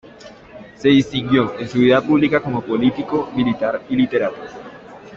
Se distinguió en su vida pública como político, militar y literato.